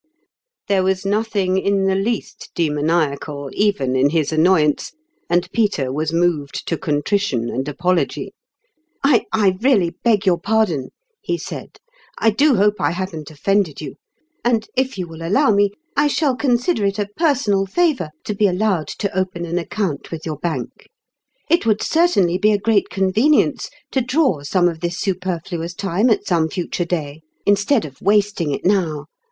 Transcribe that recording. There was nothing in the least demoniacal, 26 tourmalin's ime even in his annoyance, and Peter was moved to contrition and apology. " I I really beg your pardon !" he said. " I do hope I haven't offended you ; and, if you will allow me, I shall consider it a personal favor to be allowed to open an account with your bank. It would certainly be a great convenience to draw some of this superfluous time at some future day, instead of wasting it now.